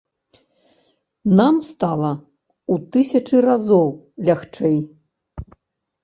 Нам стала ў тысячы разоў лягчэй.